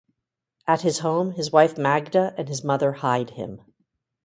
At his home, his wife Magda and his mother hide him.